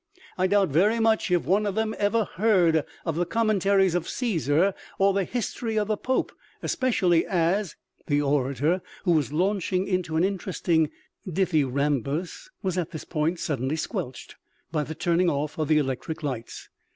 I doubt very much if one of them ever heard of the Commentaries of Caesar or the History of the Popes, especially as " The orator, who was launching into an interesting dith yrambus, was at this point suddenly squelched by the turning off of the electric lights.